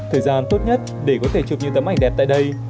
thời gian tốt nhất để có thể chụp những tấm ảnh đẹp tại đây